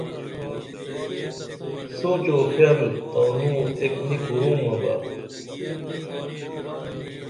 سوچ او خِیل تانوں ایک نی کورومہ بہ